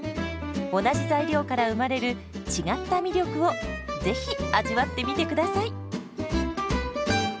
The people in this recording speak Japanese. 同じ材料から生まれる違った魅力をぜひ味わってみてください。